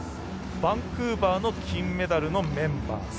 バンクーバーの金メダルのメンバー。